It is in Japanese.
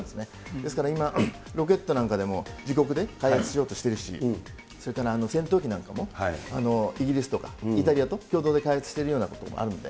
ですから今、ロケットなんかでも自国で開発しようとしてるし、それから戦闘機なんかもイギリスとかイタリアと共同で開発してるようなところもあるんで。